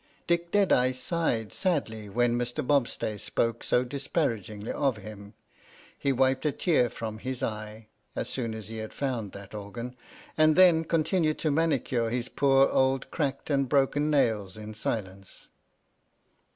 Dick Deadeye sighed sadly when Mr. Bobstay spoke so disparagingly of him. He wiped a tear from his eye (as soon as he had found that organ), and 17 D H.M.S. "PINAFORE" then continued to manicure his poor old cracked and broken nails in silence.